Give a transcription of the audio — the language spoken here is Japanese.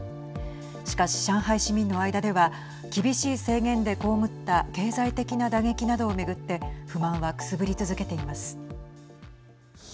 しかし、上海市民の間では厳しい制限で被った経済的な打撃などを巡って不満はくすぶり続けています。